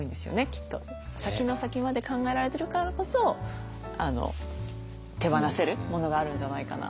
先の先まで考えられてるからこそ手放せるものがあるんじゃないかな。